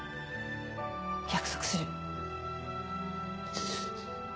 約束する。